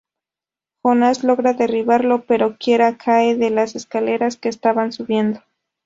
Jonas logra derribarlo, pero Kieran cae de las escaleras que estaban subiendo.